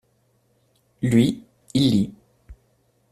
Lui, il lit.